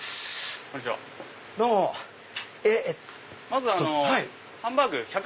まずハンバーグ。